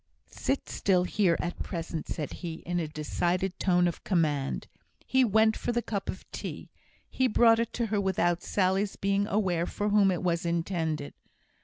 "Sit still here at present," said he, in a decided tone of command. He went for the cup of tea. He brought it to her without Sally's being aware for whom it was intended.